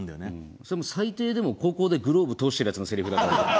それ最低でも高校でグローブ通してるヤツのセリフだから。